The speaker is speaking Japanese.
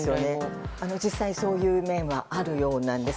実際、そういう面はあるようなんです。